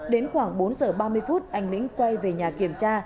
đến khoảng bốn giờ ba mươi phút anh lĩnh quay về nhà kiểm tra